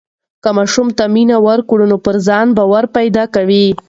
که ماشوم ته مینه ورکړو نو پر ځان باور پیدا کوي.